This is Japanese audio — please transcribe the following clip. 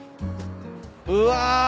うわ。